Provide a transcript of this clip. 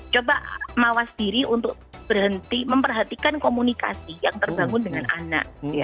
coba mawas diri untuk berhenti memperhatikan komunikasi yang terbangun dengan anak